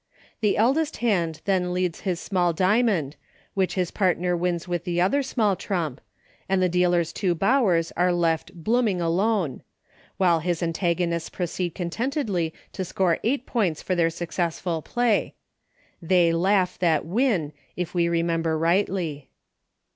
The eldest hand then leads his small diamond, which his LAP, SLAM, AND JAMBONE. 73 partner wins with the other small trump, and the dealer's two Bowers are left " blooming alone:" while his antagonists proceed content edly to score eight points for their successful play. " They laugh that win," if we remem ber rightly.